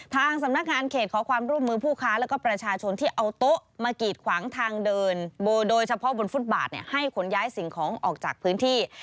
ทางสำนักงานเขตขอความร่วมมือผู้ค้าแล้วก็ประชาชนที่เอาโต๊ะมากีดขวางทางเดินโดยเฉพาะบนฟุตบาทให้ขนย้ายสิ่งของออกจากพื้นที่